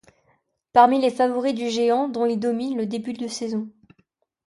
Parmi les favoris du géant dont il domine le début de saison.